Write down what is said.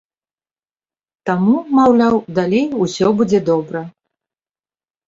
Таму, маўляў, далей усё будзе добра.